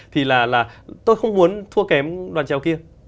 thì là tôi không muốn thua kém đoàn trèo kia